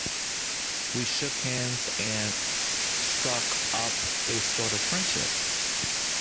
We shook hands and struck up a sort of friendship.